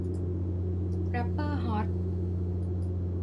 แรปเปอร์ฮอต